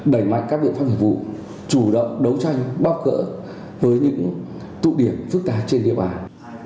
đẩy mạnh các biện phạm hợp vụ chủ động đấu tranh bóp cỡ với những tụ điểm phức tạp trên địa bàn